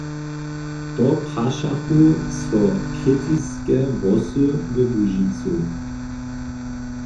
To prašachu so kritiske hłosy we Łužicy.